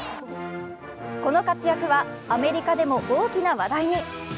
この活躍は、アメリカでも大きな話題に。